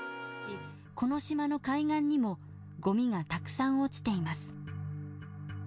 この島の海岸にもごみがたくさん落ちています。